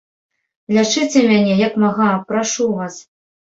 Лячыце мяне, як мага, прашу вас.